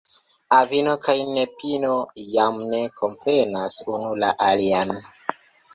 Avino kaj nepino jam ne komprenas unu la alian.